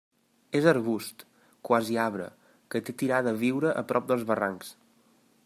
És arbust, quasi arbre, que té tirada a viure a prop dels barrancs.